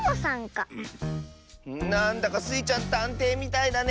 なんだかスイちゃんたんていみたいだね。